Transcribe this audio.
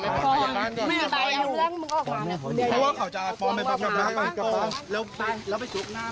พี่ไปกับเรื่องมึงก็ออกฟังนะ